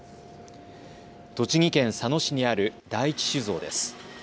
栃木県佐野市にある第一酒造です。